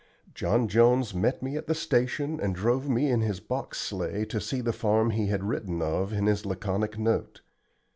John Jones met me at the station, and drove me in his box sleigh to see the farm he had written of in his laconic note.